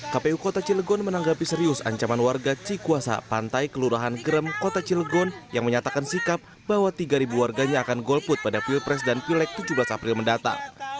kpu kota cilegon menanggapi serius ancaman warga cikuasa pantai kelurahan gerem kota cilegon yang menyatakan sikap bahwa tiga warganya akan golput pada pilpres dan pilek tujuh belas april mendatang